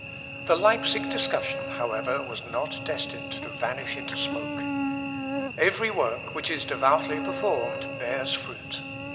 ] The Leipsic discussion, however, was not destined to vanish into smoke. Every work which is devoutly performed bears fruit.